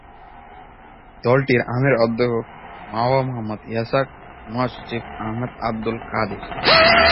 দলটির আমির অধ্যক্ষ মাও মুহাম্মদ ইসহাক, মহাসচিব আহমদ আবদুল কাদের।